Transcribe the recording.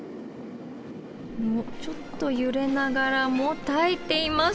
ちょっとゆれながらもたえています！